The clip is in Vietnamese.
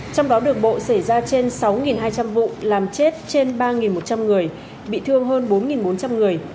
trong đó đường bộ xảy ra trên sáu hai trăm linh vụ làm chết trên ba một trăm linh người bị thương hơn bốn bốn trăm linh người